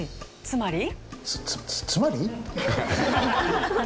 つまり。